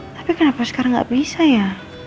tapi kenapa sekarang nggak bisa ya